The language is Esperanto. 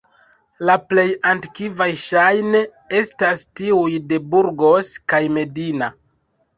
La plej antikvaj ŝajne estas tiuj de Burgos kaj Medina.